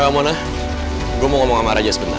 mona gue mau ngomong sama raja sebentar